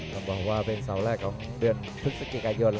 ต้องบอกว่าเป็นเสาแรกของเดือนพฤศจิกายน